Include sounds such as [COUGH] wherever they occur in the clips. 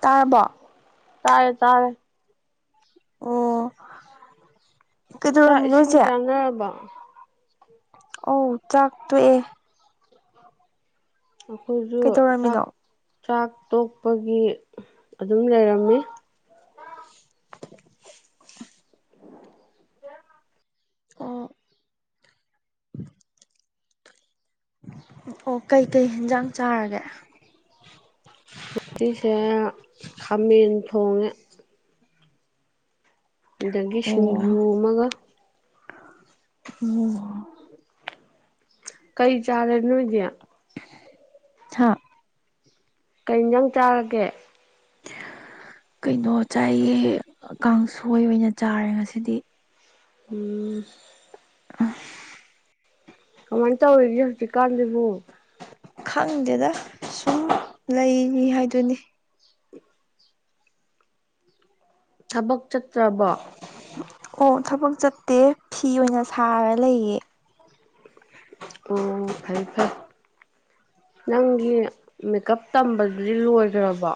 ꯇꯥꯔꯕꯣ ꯇꯥꯔꯦ ꯇꯥꯔꯦ ꯑꯣ ꯆꯥꯛ ꯀꯩꯗꯧꯔꯝꯃꯤꯅꯣ ꯏꯁꯤꯡ ꯏꯆꯦ ꯆꯥꯅꯔꯕ ꯑꯣꯎ ꯆꯥꯛ ꯇꯣꯛꯑꯦ ꯑꯈꯣꯏꯖꯨ ꯆꯥꯛ ꯀꯩꯗꯧꯔꯝꯃꯤꯅꯣ ꯆꯥꯛ ꯇꯣꯛꯄꯒꯤ ꯑꯗꯨꯝ ꯂꯩꯔꯝꯃꯤ ꯑꯣ ꯑꯣ ꯀꯩꯀꯩ ꯍꯦꯟꯖꯥꯡ ꯆꯥꯔꯒꯦ ꯉꯁꯤꯁꯦ ꯈꯥꯃꯦꯟ ꯊꯣꯡꯉꯦ ꯑꯗꯒꯤ ꯑꯣ ꯁꯤꯡꯖꯨ ꯑꯃꯒ [UNINTELLIGIBLE] ꯀꯩ ꯆꯥꯔꯦ ꯅꯣꯏꯗꯤ ꯍꯥ ꯀꯩ ꯍꯦꯟꯖꯥꯡ ꯆꯥꯔꯒꯦ ꯀꯩꯅꯣ ꯆꯥꯏꯌꯦ ꯀꯥꯡꯁꯣꯏ ꯑꯣꯏꯅ ꯆꯥꯔꯦ ꯉꯁꯤꯗꯤ ꯎꯝ [UNINTELLIGIBLE] ꯀꯃꯥꯏ ꯇꯧꯔꯤꯒꯦ ꯍꯧꯖꯤꯛꯀꯥꯟꯁꯤꯕꯨ ꯈꯪꯗꯦꯗ ꯁꯨꯝ ꯂꯩꯔꯤ ꯍꯥꯏꯗꯨꯅꯤ ꯊꯕꯛ ꯆꯠꯇ꯭ꯔꯕꯣ ꯑꯣ ꯊꯕꯛ ꯆꯠꯇꯦ ꯐꯤ ꯑꯣꯏꯅ ꯁꯥꯔ ꯂꯩꯌꯦ ꯑꯣ ꯐꯩ ꯐꯩ ꯅꯪꯒꯤ ꯃꯦꯀꯞ ꯇꯝꯕꯗꯨꯗꯤ ꯂꯣꯏꯒ꯭ꯔꯕꯣ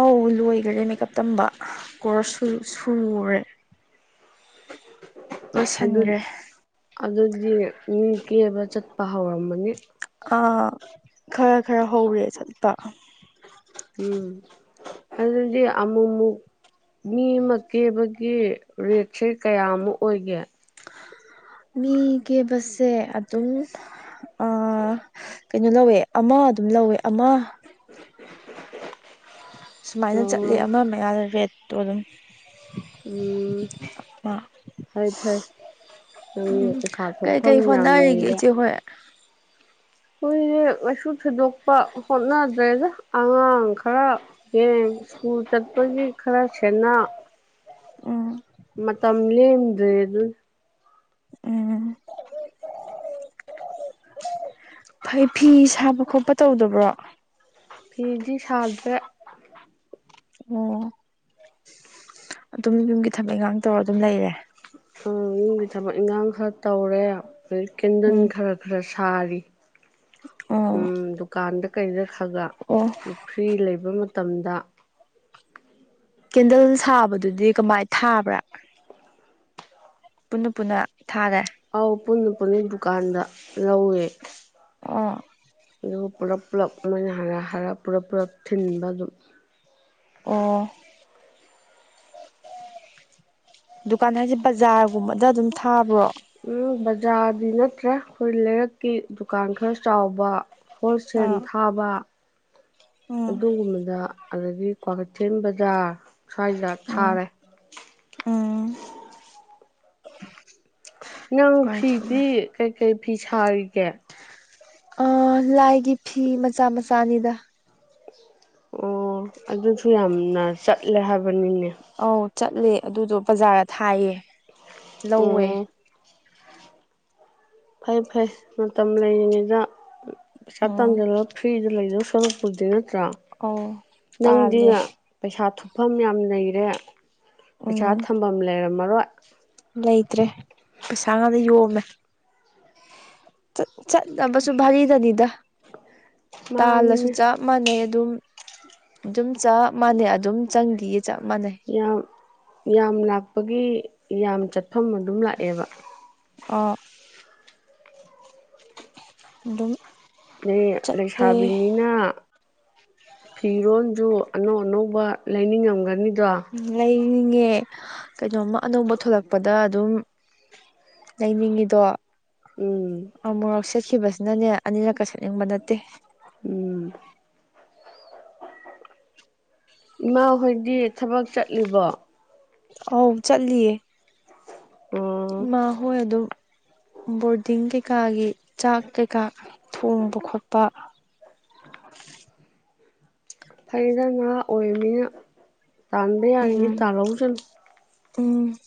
ꯑꯧ ꯂꯣꯏꯒꯔꯦ ꯃꯦꯀꯞ ꯇꯝꯕ ꯀꯣꯔꯁ ꯁꯨ ꯁꯨꯒ꯭ꯔꯦ ꯑꯗꯨ ꯂꯣꯏꯁꯤꯟꯒ꯭ꯔꯦ ꯑꯗꯨꯗꯤ ꯃꯤ ꯀꯦꯕ ꯆꯠꯄ ꯍꯧꯔꯝꯃꯅꯤ ꯑꯥ ꯈꯔ ꯈꯔ ꯍꯧꯔꯦ ꯆꯠꯄ ꯎꯝ ꯑꯗꯨꯗꯤ ꯑꯃꯨꯃꯨꯛ ꯃꯤ ꯑꯃꯥ ꯀꯦꯕꯒꯤ ꯔꯦꯠꯁꯦ ꯀꯌꯥꯃꯨꯛ ꯑꯣꯏꯒꯦ ꯃꯤ‌ ꯀꯦꯕꯁꯦ ꯑꯗꯨꯝ ꯑ ꯀꯩꯅꯣ ꯂꯧꯋꯦ ꯑꯃꯥ ꯑꯗꯨꯝ ꯂꯧꯋꯦ ꯑꯃꯥ ꯁꯨꯃꯥꯏꯅ ꯆꯠꯂꯦ ꯑꯣ ꯑꯃ ꯃꯌꯥꯗ ꯔꯦꯠꯇꯣ ꯑꯗꯨꯝ ꯎꯝ ꯃꯥ ꯐꯩ ꯐꯩ ꯎꯝ ꯅꯪꯗꯤ ꯄꯩꯁꯥ ꯊꯣꯛꯐꯝ ꯀꯩꯀꯩ ꯌꯥꯝ ꯍꯣꯠꯅꯔꯤꯒꯦ ꯂꯩꯔꯦ ꯏꯆꯦ ꯍꯣꯏ ꯑꯩꯈꯣꯏꯁꯦ ꯀꯩꯁꯨ ꯊꯣꯏꯗꯣꯛꯄ ꯍꯣꯠꯅꯗ꯭ꯔꯦꯗ ꯑꯉꯥꯡ ꯈꯔ ꯌꯦꯡ ꯁ꯭ꯀꯨꯜ ꯆꯠꯄꯒꯤ ꯈꯔ ꯁꯦꯟꯅ ꯎꯝ ꯃꯇꯝ ꯂꯦꯝꯗ꯭ꯔꯦ ꯗꯨꯅꯤ ꯎꯝ ꯐꯩ ꯐꯤ ꯁꯥꯕ ꯈꯣꯠꯄ ꯇꯧꯗꯕ꯭ꯔꯣ ꯐꯤꯗꯤ ꯁꯥꯗ꯭ꯔꯦ ꯑꯣ ꯑꯗꯨꯝ ꯌꯨꯝꯒꯤ ꯊꯕꯛ ꯏꯪꯈꯥꯡ ꯇꯧꯔꯒ ꯑꯗꯨꯝ ꯂꯩꯔꯦ ꯎꯝ ꯌꯨꯝꯒꯤ ꯊꯕꯛ ꯏꯟꯈꯥꯡ ꯈꯔ ꯇꯧꯔꯦ ꯑꯗꯩ ꯀꯦꯟꯗꯟ ꯎꯝ ꯈꯔ ꯈꯔ ꯁꯥꯔꯤ ꯑꯣ ꯎꯝ ꯗꯨꯀꯥꯟꯗ ꯀꯩꯗ ꯈꯒ ꯑꯣ ꯐ꯭ꯔꯤ ꯂꯩꯕ ꯃꯇꯝꯗ ꯀꯦꯟꯗꯜ ꯁꯥꯕꯗꯨꯗꯤ ꯀꯃꯥꯏ ꯊꯥꯕ꯭ꯔꯥ ꯄꯨꯟꯅ ꯄꯨꯟꯅ ꯊꯥꯔꯦ ꯑꯥꯎ ꯄꯨꯟꯅ ꯄꯨꯟꯅ ꯗꯨꯀꯥꯟꯗ ꯂꯧꯋꯦ ꯑꯣ ꯑꯗꯨꯒ ꯄꯨꯂꯞ ꯄꯨꯂꯞ ꯃꯣꯏꯅ ꯍꯥꯏꯔ ꯍꯥꯏꯔ ꯄꯨꯂꯞ ꯄꯨꯂꯞ ꯊꯤꯟꯕ ꯑꯗꯨꯝ ꯑꯣ ꯗꯨꯀꯥꯟ ꯍꯥꯏꯁꯦ ꯕꯖꯥꯔꯒꯨꯝꯕꯗ ꯑꯗꯨꯝ ꯊꯥꯕ꯭ꯔꯣ ꯎꯝ ꯕꯖꯥꯔꯗꯤ ꯅꯠꯇ꯭ꯔꯦ ꯑꯩꯈꯣꯏ ꯂꯩꯔꯛꯀꯤ ꯗꯨꯀꯥꯟ ꯈꯔ ꯆꯥꯎꯕ ꯍꯣꯜꯁꯦꯜ ꯑꯥ ꯊꯥꯕ ꯎꯝ ꯑꯗꯨꯒꯨꯝꯕꯗ ꯑꯗꯒꯤ ꯀ꯭ꯋꯥꯛꯀꯩꯊꯦꯜ ꯕꯖꯥꯔ ꯁ꯭ꯋꯥꯏꯗ ꯎꯝ ꯊꯥꯔꯦ ꯎꯝ ꯅꯪ ꯀꯥꯏ ꯆꯠꯂꯦ ꯐꯤꯗꯤ ꯀꯩꯀꯩ ꯐꯤ ꯁꯥꯔꯤꯒꯦ ꯑ ꯂꯥꯏꯒꯤ ꯐꯤ ꯃꯆꯥ ꯃꯆꯥꯅꯤꯗ ꯑꯣ ꯑꯗꯨꯁꯨ ꯌꯥꯝꯅ ꯆꯠꯂꯦ ꯍꯥꯏꯕꯅꯤꯅꯦ ꯑꯧ ꯆꯠꯂꯦ ꯑꯗꯨꯗꯣ ꯕꯖꯥꯔꯗ ꯊꯥꯏꯌꯦ ꯂꯧꯋꯦ ꯑꯣ ꯐꯩ ꯐꯩ ꯃꯇꯝ ꯂꯩꯔꯤꯉꯩꯗ ꯄꯩꯁꯥ ꯎꯝ ꯇꯥꯟꯖꯜꯂꯧ ꯐ꯭ꯔꯤꯗ ꯂꯩꯗꯧ ꯁꯔꯨꯛꯄꯨꯗꯤ ꯅꯠꯇ꯭ꯔꯥ ꯑꯧ ꯅꯪꯗꯤ ꯇꯥꯜꯂꯦ ꯄꯩꯁꯥ ꯊꯨꯞꯐꯝ ꯌꯥꯝ ꯂꯩꯔꯦ ꯎꯝ ꯄꯩꯁꯥ ꯊꯝꯐꯝ ꯂꯩꯔꯝꯃꯔꯣꯏ ꯂꯩꯇ꯭ꯔꯦ ꯄꯩꯁꯥ ꯉꯥꯗ ꯌꯣꯝꯃꯦ ꯆꯠꯅꯕꯁꯨ ꯚꯥꯔꯤꯗꯅꯤꯗ ꯇꯥꯜꯂꯁꯨ ꯃꯥꯅꯤꯅꯦ ꯆꯞ ꯃꯥꯟꯅꯩ ꯑꯗꯨꯝ ꯑꯗꯨꯝ ꯆꯞ ꯃꯥꯟꯅꯩ ꯑꯗꯨꯝ ꯆꯪꯒꯤ ꯆꯞ ꯃꯥꯟꯅꯩ ꯌꯥꯝ ꯌꯥꯝ ꯂꯥꯛꯄꯒꯤ ꯌꯥꯝ ꯆꯠꯐꯝ ꯑꯗꯨꯝ ꯂꯥꯛꯑꯦꯕ ꯑ ꯑꯗꯨꯝ ꯑꯗꯩ ꯆꯠꯂꯦ ꯂꯩꯁꯥꯕꯤꯅꯤꯅ ꯐꯤꯔꯣꯜꯁꯨ ꯑꯅꯧ ꯑꯅꯧꯕ ꯂꯩꯅꯤꯡꯉꯝꯒꯅꯤꯗ‌ꯣ ꯂꯩꯅꯤꯡꯉꯦ ꯀꯩꯅꯣꯝꯃ ꯑꯅꯧꯕ ꯊꯣꯂꯛꯄꯗ ꯑꯗꯨꯝ ꯂꯩꯅꯤꯡꯉꯤꯗꯣ ꯎꯝ ꯑꯃꯨꯔꯛ ꯁꯦꯠꯈꯤꯕꯁꯤꯅꯅꯦ ꯑꯅꯤꯔꯛꯀ ꯁꯦꯠꯅꯤꯡꯕ ꯅꯠꯇꯦ ꯎꯝ ꯏꯃꯥꯍꯣꯏꯗꯤ ꯊꯕꯛ ꯆꯠꯂꯤꯕꯣ ꯑꯧ ꯆꯠꯂꯤꯌꯦ ꯎꯝ ꯏꯃꯥ ꯍꯣꯏ ꯑꯗꯨꯝ ꯕꯣꯔꯗꯤꯡ ꯀꯩꯀꯥꯒꯤ ꯆꯥꯛ ꯀꯩꯀꯥ ꯊꯣꯡꯕ ꯈꯣꯠꯄ [INAUDIBLE] ꯐꯩꯗ ꯉꯥ ꯑꯣꯏꯕꯅꯤꯅ ꯇꯥꯟꯕ ꯎꯝ ꯌꯥꯔꯤꯉꯩ ꯇꯥꯜꯍꯧꯁꯅꯨ ꯎꯝ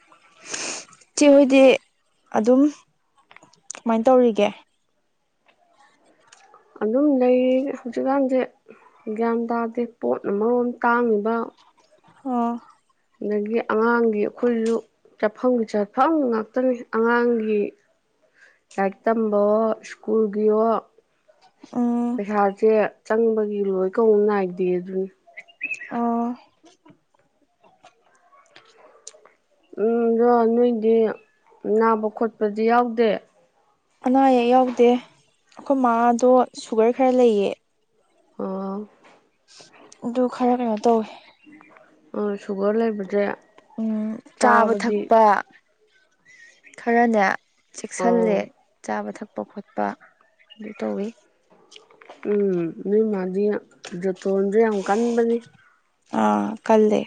[INAUDIBLE] ꯆꯦ ꯍꯣꯏꯗꯤ ꯑꯗꯨꯝ ꯀꯃꯥꯏꯅ ꯇꯧꯔꯤꯒꯦ ꯑꯗꯨꯝ ꯂꯩ ꯍꯧꯖꯤꯛꯀꯥꯟꯁꯦ ꯒ꯭ꯌꯥꯟ ꯇꯥꯗꯦ ꯄꯣꯠ ꯑꯃꯔꯣꯝ ꯇꯥꯡꯉꯤꯕ ꯎꯝ [UNINTELLIGIBLE] ꯑꯗꯒꯤ ꯑꯉꯥꯡꯒꯤ ꯑꯩꯈꯣꯏꯁꯨ ꯆꯠꯐꯝꯒꯤ ꯆꯠꯐꯝ ꯉꯥꯛꯇꯅꯤ ꯑꯉꯥꯡꯒꯤ ꯂꯥꯏꯔꯤꯛ ꯇꯝꯕꯋ‌ꯣ ꯁ꯭ꯀꯨꯜꯒꯤꯌ‌ꯣ ꯎꯝ ꯄꯩꯁꯥꯁꯦ ꯆꯪꯕꯒꯤ ꯂꯣꯏ ꯀꯧ ꯅꯥꯏꯗꯦ ꯑꯗꯨꯅꯤ ꯑꯣ ꯎꯝ ꯑꯗꯣ ꯅꯣꯏꯗꯤ ꯅꯥꯕ ꯈꯣꯠꯄꯗꯤ ꯌꯥꯎꯗꯦ ꯑꯅꯥ ꯑꯌꯦꯛ ꯌꯥꯎꯗꯦ ꯑꯩꯈꯣꯏ ꯃꯥꯥꯗꯣ ꯁꯨꯒꯔ ꯈꯔ ꯂꯩꯌꯦ ꯑ‌ꯣ ꯑꯗꯨ ꯈꯔ ꯀꯩꯅꯣ ꯇꯧꯋꯦ ꯑ ꯁꯨꯒꯔ ꯂꯩꯕꯁ‌ꯦ ꯎꯝ ꯆꯥꯕ ꯊꯛꯄ ꯈꯔꯅꯦ ꯆꯦꯛꯁꯤꯜꯂꯦ ꯑꯣ ꯆꯥꯕ ꯊꯛꯄ ꯈꯣꯠꯄ ꯑꯗꯨ ꯇꯧꯋꯤ ꯎꯝ ꯅꯣꯏ ꯃꯥꯗꯤ ꯖꯣꯇꯣꯟꯁꯨ ꯌꯥꯝ ꯀꯟꯕꯅꯤ ꯑꯥ ꯀꯜꯂꯦ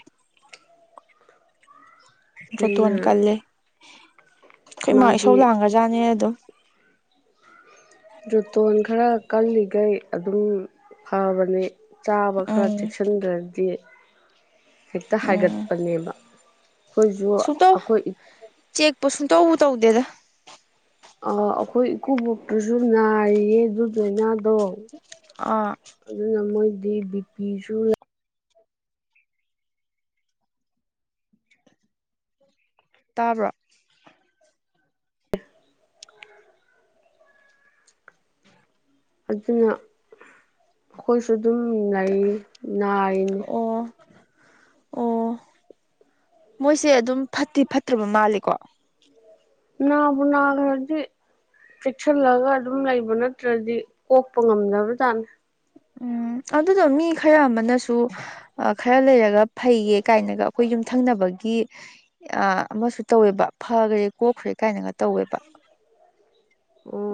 ꯖꯣꯇꯣꯟ ꯑꯗꯨꯅ ꯀꯜꯂꯦ ꯑꯩꯈꯣꯏ ꯏꯃꯥ ꯏꯁꯧ ꯃꯥꯗꯤ ꯂꯥꯡꯒ꯭ꯔꯖꯥꯠꯅꯦ ꯑꯗꯨꯝ ꯖꯨꯇꯣꯟ ꯈꯔ ꯀꯜꯂꯤꯒꯩ ꯑꯗꯨꯝ ꯐꯕꯅꯤ ꯆꯥꯕ ꯈꯔ ꯎꯝ ꯆꯦꯛꯁꯤꯟꯗ꯭ꯔꯗꯤ ꯍꯦꯛꯇ ꯎꯝ ꯍꯥꯏꯒꯠꯄꯅꯦꯕ ꯑꯩꯈꯣꯏꯁꯨ ꯁꯨꯡꯇꯧ ꯑꯩꯈꯣꯏ ꯏꯞ ꯆꯦꯛꯄꯨ ꯁꯨꯡꯇꯧ ꯇꯧꯗꯦꯗ ꯑ ꯑꯩꯈꯣꯏ ꯏꯀꯨꯕꯣꯛꯇꯨꯁꯨ ꯅꯥꯔꯤꯌꯦ ꯑꯗꯨ ꯂꯥꯏꯅꯥꯗꯣ ꯑꯥ ꯑꯗꯨꯅ ꯃꯣꯏꯗꯤ ꯕꯤ ꯄꯤꯁꯨ ꯇꯥꯕ꯭ꯔꯣ ꯑꯗꯨꯅ ꯑꯩꯈꯣꯏꯁꯨ ꯑꯗꯨꯝ ꯂꯩ ꯅꯥꯔꯤꯅꯤ ꯑꯣ ꯑꯣ ꯃꯣꯏꯁꯦ ꯑꯗꯨꯝ ꯐꯠꯇꯤ ꯐꯠꯇ꯭ꯔꯕ ꯃꯥꯜꯂꯦꯀꯣ ꯅꯥꯕꯨ ꯅꯥꯒ꯭ꯔꯗꯤ ꯆꯦꯛꯁꯤꯜꯂꯒ ꯑꯗꯨꯝ ꯂꯩꯕ ꯅꯠꯇ꯭ꯔꯗꯤ ꯀꯣꯛꯄ ꯉꯝꯗꯕ ꯖꯥꯠꯅꯤ ꯎꯝ ꯑꯗꯨꯗꯣ ꯃꯤ ꯈꯔ ꯑꯃꯅꯁꯨ ꯈꯔ ꯂꯩꯔꯒ ꯐꯩꯌꯦ ꯀꯥꯏꯅꯒ ꯑꯩꯈꯣꯏ ꯌꯨꯝꯊꯪꯅꯕꯒꯤ ꯑ ꯑꯃꯁꯨ ꯇꯧꯋꯦꯕ ꯐꯒꯔꯦ ꯀꯣꯛꯈ꯭ꯔꯦ ꯀꯥꯏꯅꯒ ꯇꯧꯋꯦꯕ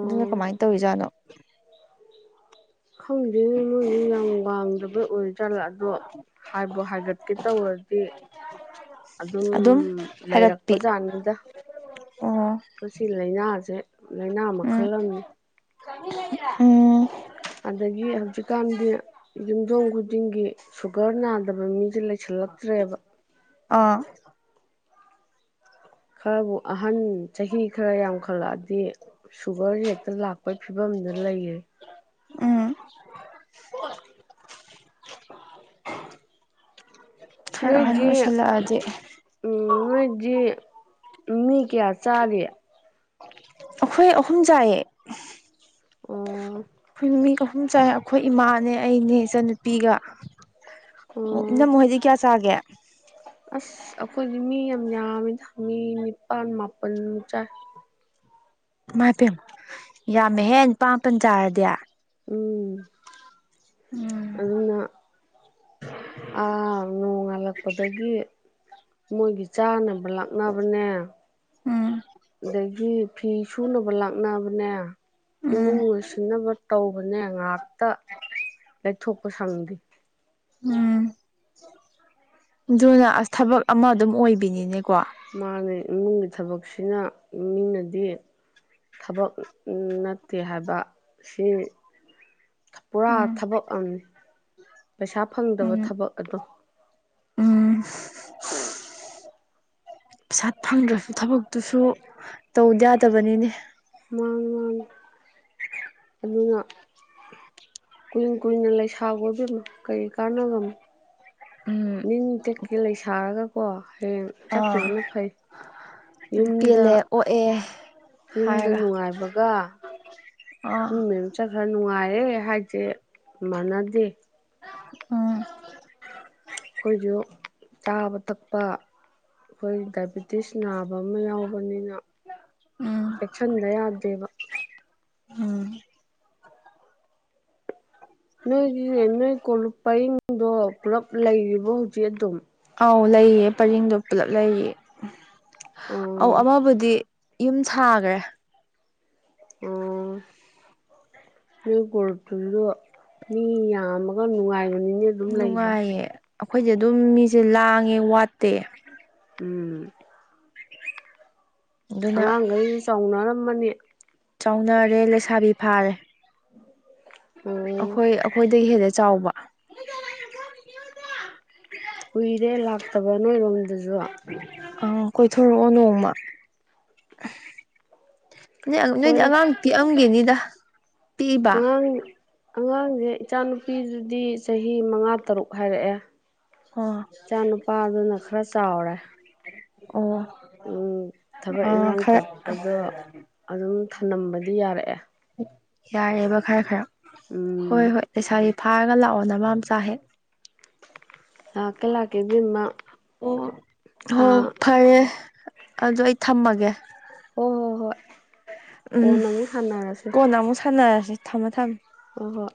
ꯑꯗꯨꯅ ꯀꯃꯥꯏꯅ ꯇꯧꯔꯤꯖꯥꯠꯅꯣ ꯈꯪꯗꯦꯅꯦ ꯃꯣꯏꯗꯨꯅ ꯌꯥꯝ ꯋꯥꯡꯗꯕꯩ ꯑꯣꯏꯖꯥꯠꯂ ꯑꯗꯣ ꯍꯥꯏꯕꯨ ꯍꯥꯏꯒꯠꯀꯦ ꯇꯧꯔꯗꯤ ꯑꯗꯨꯝ ꯍꯥꯏꯒꯠꯄꯤ ꯂꯩꯔꯛꯄꯖꯥꯠꯅꯤꯗ ꯑꯣ ꯃꯁꯤ ꯂꯥꯏꯅꯥꯁꯦ ꯂꯥꯏꯅꯥ ꯎꯝ ꯃꯈꯜ ꯑꯃꯅꯤ ꯎꯝ ꯑꯗꯒꯤ ꯍꯧꯖꯤꯛꯀꯥꯟꯗꯤ ꯌꯨꯝꯊꯣꯡ ꯈꯨꯗꯤꯡꯒꯤ ꯁꯨꯒꯔ ꯅꯥꯗꯕ ꯃꯤꯁꯦ ꯂꯩ ꯁꯤꯜꯂꯛꯇ꯭ꯔꯦꯕ ꯑꯥ ꯈꯔꯕꯨ ꯑꯍꯟ ꯆꯍꯤ ꯈꯔ ꯌꯥꯝꯈꯠꯂꯛꯑꯗꯤ ꯁꯨꯒꯔꯁꯦ ꯍꯦꯛꯇ ꯂꯥꯛꯄꯒꯤ ꯐꯤꯕꯝꯗ ꯂꯩꯔꯦ ꯎꯝ ꯈꯔ ꯑꯍꯟ ꯅꯣꯏꯗꯤ ꯑꯣꯏꯁꯜꯂꯛꯑꯗꯤ ꯎꯝ ꯅꯣꯏꯗꯤ ꯃꯤ ꯀꯌꯥ ꯆꯥꯔꯤ [INAUDIBLE] ꯑꯩꯈꯣꯏ ꯑꯍꯨꯝ ꯆꯥꯏꯌꯦ ꯑꯣ ꯑꯩꯈꯣꯏ ꯃꯤ ꯑꯍꯨꯝ ꯆꯥꯏ ꯑꯩꯈꯣꯏ ꯏꯃꯥꯅꯦ ꯑꯩꯅꯦ ꯏꯆꯟꯅꯨꯄꯤꯒ ꯑꯣ ꯏꯅꯝꯃ ꯍꯣꯏꯗꯤ ꯀꯌꯥ ꯆꯥꯒꯦ ꯑꯁ ꯑꯩꯈꯣꯏꯗꯤ ꯃꯤ ꯌꯥꯝ ꯌꯥꯝꯃꯤꯗ ꯃꯤ ꯅꯤꯄꯥꯜ ꯃꯥꯄꯜꯃꯨꯛ ꯆꯥꯏ ꯏꯃꯥꯏꯄꯦꯝ ꯌꯥꯝꯃꯦ ꯍꯦ ꯅꯤꯄꯥꯟ ꯃꯥꯄꯟ ꯆꯥꯔꯗꯤ ꯎꯝ ꯎꯝ ꯑꯗꯨꯅ ꯑꯥ ꯅꯣꯡꯉꯥꯜꯂꯛꯄꯗꯒꯤ ꯃꯣꯏꯒꯤ ꯆꯥꯅꯕ ꯂꯥꯛꯅꯕꯅꯦ ꯎꯝ ꯑꯗꯒꯤ ꯐꯤ ꯁꯨꯅꯕ ꯂꯥꯛꯅꯕꯅꯦ ꯏꯃꯨꯡ ꯎꯝ ꯂꯣꯏꯁꯤꯟꯅꯕ ꯇꯧꯕꯅꯦ ꯉꯥꯛꯇ ꯂꯩꯊꯣꯛꯄ ꯁꯪꯗꯦ ꯎꯝ ꯑꯗꯨꯅ ꯑꯁ ꯊꯕꯛ ꯑꯃ ꯑꯗꯨꯝ ꯑꯣꯏꯕꯤꯅꯤꯅꯦꯀꯣ ꯃꯥꯅꯦ ꯏꯃꯨꯡꯒꯤ ꯊꯕꯛꯁꯤꯅ ꯃꯤꯅꯗꯤ ꯊꯕꯛ ꯅꯠꯇꯦ ꯍꯥꯏꯕ ꯁꯤ ꯄꯨꯔꯥ ꯎꯝ ꯊꯕꯛ ꯑꯃꯅꯤ ꯄꯩꯁꯥ ꯐꯪꯗꯕ ꯎꯝ ꯊꯕꯛ ꯑꯗꯣ ꯎꯝ ꯄꯩꯁꯥ ꯐꯪꯗ꯭ꯔꯁꯨ ꯊꯕꯛꯇꯨꯁꯨ ꯇꯧꯗ ꯌꯥꯗꯕꯅꯤꯅꯦ ꯃꯥꯅꯤ ꯃꯥꯅꯤ ꯑꯗꯨꯒ ꯀꯨꯏ ꯀꯨꯏꯅ ꯂꯩꯁꯥꯒꯣ ꯏꯕꯦꯃꯥ ꯀꯔꯤ ꯀꯥꯟꯅꯒꯝꯣ ꯎꯝ ꯅꯤꯡ ꯇꯦꯛꯀꯩ ꯂꯩꯁꯥꯔꯒꯀꯣ ꯍꯌꯦꯡ ꯑꯥ ꯆꯠꯈꯤꯕꯅ ꯐꯩ ꯌꯨꯝꯗ ꯑꯦ ꯌꯨꯝꯗ ꯅꯨꯡꯉꯥꯏꯕꯒ ꯃꯤ ꯑꯥ ꯃꯌꯨꯝ ꯆꯠ ꯈꯔ ꯅꯨꯡꯉꯥꯏꯔꯦ ꯍꯥꯏꯁꯦ ꯃꯥꯟꯅꯗꯦ ꯎꯝ ꯑꯩꯈꯣꯏꯁꯨ ꯆꯥꯕ ꯊꯛꯄ ꯑꯩꯈꯣꯏ ꯗꯥꯏꯕꯤꯇꯤꯁ ꯅꯥ ꯑꯕ ꯑꯃ ꯌꯥꯎꯕꯅꯤꯅ ꯎꯝ ꯆꯦꯛꯁꯟꯗ ꯌꯥꯗꯦꯕ ꯎꯝ ꯅꯣꯏꯒꯤ ꯅꯣꯏ ꯀꯣꯂꯨꯞ ꯄꯔꯤꯡꯗꯣ ꯄꯨꯂꯞ ꯂꯩꯔꯤꯕꯣ ꯍꯧꯖꯤꯛ ꯑꯗꯨꯝ ꯑꯧ ꯂꯩꯌꯦ ꯄꯔꯦꯡꯗꯣ ꯄꯨꯂꯞ ꯂꯩꯌꯦ ꯑꯧ ꯑꯣ ꯑꯃꯕꯨꯗꯤ ꯌꯨꯝ ꯁꯥꯒ꯭ꯔꯦ ꯑꯣ ꯅꯣꯏ ꯀꯣꯂꯨꯞꯇꯨꯁꯨ ꯃꯤ ꯌꯥꯝꯃꯒ ꯅꯨꯡꯉꯥꯏꯕꯅꯤꯅꯦ ꯑꯗꯨꯝ ꯂꯩꯕ ꯅꯨꯡꯉꯥꯏꯌꯦ ꯑꯩꯈꯣꯏꯗꯤ ꯑꯗꯨꯝ ꯃꯤꯁꯦ ꯂꯥꯡꯉꯦ ꯋꯥꯠꯇꯦ ꯎꯝ ꯑꯗꯨꯅ ꯑꯉꯥꯡꯈꯩꯗꯨ ꯆꯥꯎꯅꯔꯝꯃꯅꯤ ꯆꯥꯎꯅꯔꯦ ꯂꯩꯁꯥꯕꯤ ꯐꯥꯔꯦ ꯎꯝ ꯑꯩꯈꯣꯏ ꯑꯩꯈꯣꯏꯗꯒꯤ ꯍꯦꯟꯅ ꯆꯥꯎꯕ ꯀꯨꯏꯔꯦ ꯂꯥꯛꯇꯕ ꯅꯣꯏꯔꯣꯝꯗꯁꯨ ꯑ ꯀꯣꯏꯊꯣꯔꯛꯑꯣ ꯅꯣꯡꯃ ꯅꯣꯏ ꯅꯣꯏꯗꯤ ꯀꯣꯏꯔꯛ ꯑꯉꯥꯡ ꯄꯤꯛꯑꯝꯒꯤꯅꯤꯗ ꯄꯤꯛꯏꯕ ꯑꯉꯥꯡ ꯑꯉꯥꯡꯁꯦ ꯏꯆꯥꯅꯨꯄꯤꯗꯨꯗꯤ ꯆꯍꯤ ꯃꯉꯥ ꯇꯔꯨꯛ ꯍꯥꯏꯔꯛꯑꯦ ꯑꯣ ꯏꯆꯥ ꯅꯨꯨꯄꯥꯗꯨꯅ ꯈꯔ ꯆꯥꯎꯔꯦ ꯎꯝ ꯊꯕꯛ ꯑꯣ ꯑ ꯏꯟꯈꯥꯡ ꯈꯔ ꯆꯠꯄꯗꯣ ꯑꯗꯨꯝ ꯊꯅꯝꯕꯗꯤ ꯌꯥꯔꯛꯑꯦ ꯌꯥꯔꯦꯕ ꯈꯔ ꯈꯔ ꯍꯣꯏ ꯎꯝ ꯍꯣꯏ ꯂꯩꯁꯥꯒꯤ ꯐꯥꯔꯒ ꯂꯥꯛꯑꯣ ꯅꯃꯥꯝꯆꯥ ꯍꯦꯛ ꯂꯥꯛꯀꯦ ꯂꯥꯛꯀꯦ ꯏꯕꯦꯝꯃ ꯑꯣ ꯍꯣ ꯑꯥ ꯐꯔꯦ ꯑꯗꯨ ꯑꯩ ꯊꯝꯃꯒꯦ ꯍꯣꯏ ꯍꯣꯏ ꯍꯣꯏ ꯎꯝ ꯀꯣꯟꯅ ꯑꯃꯨꯛ ꯁꯥꯟꯅꯔꯁꯦ ꯀꯣꯟꯅ ꯑꯃꯨꯛ ꯁꯥꯟꯅꯔꯁꯤ ꯊꯝꯃꫭ ꯊꯝꯃꫭ ꯍꯣꯏ ꯍꯣꯏ